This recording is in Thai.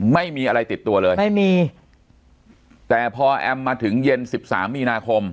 ไม่มีอะไรติดตัวเลยไม่มีแต่พอแอมมาถึงเย็นสิบสามมีนาคม